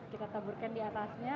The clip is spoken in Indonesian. kita taburkan diatasnya